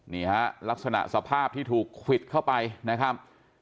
นี่ฮะลักษณะสภาพที่ถูกควิดเข้าไปนะครับ